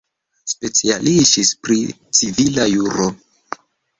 Specialiĝis pri civila juro.